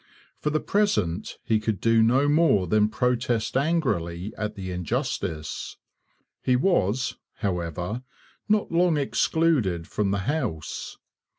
For the present he could do no more than protest angrily at the injustice. He was, however, not long excluded from the House.